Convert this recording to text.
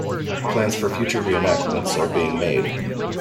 Plans for future re-enactments are being made.